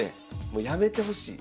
もうやめてほしい。